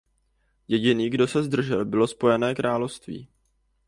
Jediný, kdo se zdržel, bylo Spojené království.